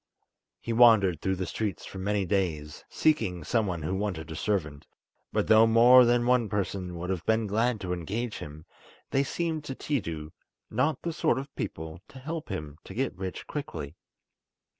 He wandered through the streets for many days, seeking some one who wanted a servant; but though more than one person would have been glad to engage him, they seemed to Tiidu not the sort of people to help him to get rich quickly.